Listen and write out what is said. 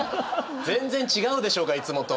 全然違うでしょうがいつもと。